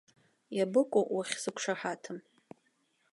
Иабыкәу уахьсықәшаҳаҭым?